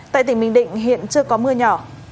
tại tỉnh bình định hiện chưa có mưa nhỏ